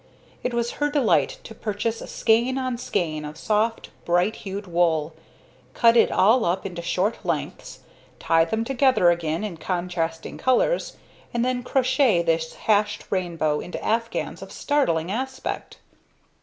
It was her delight to purchase skein on skein of soft, bright hued wool, cut it all up into short lengths, tie them together again in contrasting colors, and then crochet this hashed rainbow into afghans of startling aspect.